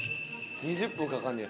２０分かかんねや。